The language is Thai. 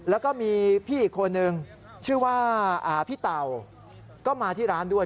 แล้วก็มีพี่อีกคนนึงชื่อว่าพี่เต่าก็มาที่ร้านด้วย